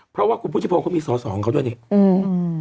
เพราะว่าคุณพุทธิพงศ์เขามีสอสอของเขาด้วยนี่อืม